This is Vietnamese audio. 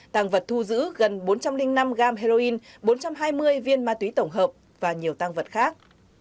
tàng vật thu giữ gần bốn trăm linh năm gram heroin bốn trăm hai mươi viên ma túy tổng hợp và nhiều tăng vật khác